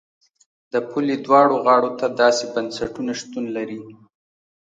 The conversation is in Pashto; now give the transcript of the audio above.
د پولې دواړو غاړو ته داسې بنسټونه شتون لري.